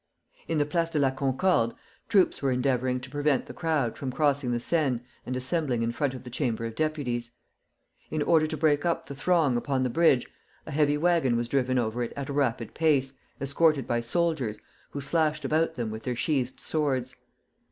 In the Place de la Concorde, troops were endeavoring to prevent the crowd from crossing the Seine and assembling in front of the Chamber of Deputies. In order to break up the throng upon the bridge, a heavy wagon was driven over it at a rapid pace, escorted by soldiers, who slashed about them with their sheathed swords.